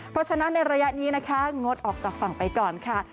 เพราะฉะนั้นในระยะนี้นะคะงดออกจากฝั่งไปก่อนค่ะ